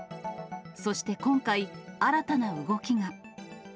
そして今回、新たな動きが。